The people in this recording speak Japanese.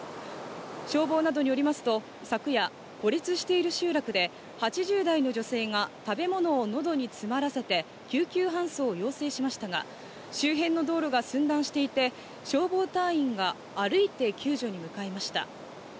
消防などによりますと、昨夜、孤立している集落で８０代の女性が食べ物をのどに詰まらせて、救急搬送を要請しましたが、周辺の道路が寸断していて、消防隊員が歩いて救助に向かいました。